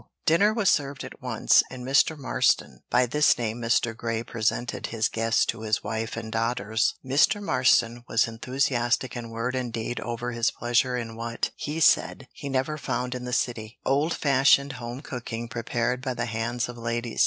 Dinner was served at once, and Mr. Marston by this name Mr. Grey presented his guest to his wife and daughters Mr. Marston was enthusiastic in word and deed over his pleasure in what, he said, he never found in the city old fashioned, home cooking, prepared by the hands of ladies.